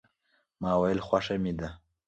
ما وویل، خوښه مې ده.